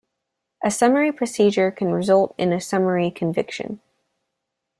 A summary procedure can result in a summary conviction.